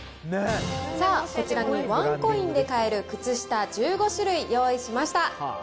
さあ、こちらにワンコインで買える靴下１５種類、用意しました。